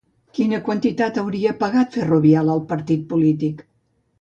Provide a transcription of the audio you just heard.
Quina quantitat hauria pagat Ferrovial al partit polític?